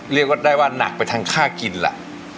เรียกว่าได้ว่าหนักไปทางค่ากินล่ะ